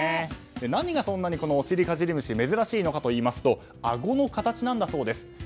何がそんなにこのオシリカジリムシ珍しいのかといいますとあごの形なんだそうです。